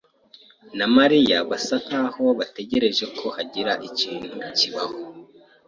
na Mariya basa nkaho bategereje ko hagira ikintu kibaho.